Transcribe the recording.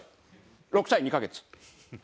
６歳２カ月。